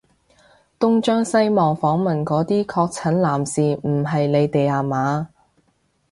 東張西望訪問嗰啲確診男士唔係你哋吖嘛？